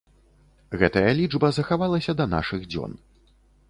Гэтая лічба захавалася да нашых дзён.